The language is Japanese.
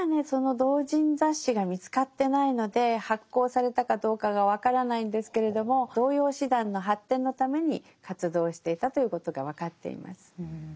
その同人雑誌が見つかってないので発行されたかどうかが分からないんですけれども童謡詩壇の発展のために活動をしていたということが分かっています。